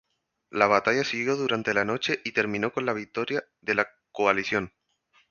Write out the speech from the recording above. La batalla siguió durante la noche y terminó con la victoria de la coalición.